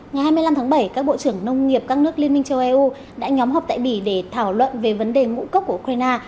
ngày hai mươi năm tháng bảy các bộ trưởng nông nghiệp các nước liên minh châu âu đã nhóm họp tại bỉ để thảo luận về vấn đề ngũ cốc của ukraine